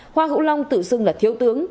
hoa hữu long tự xưng là thiếu tướng